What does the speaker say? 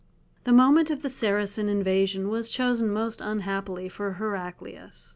The moment of the Saracen invasion was chosen most unhappily for Heraclius.